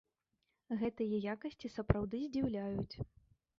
Гэтыя якасці сапраўды здзіўляюць.